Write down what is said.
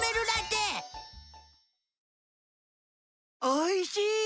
おいしい！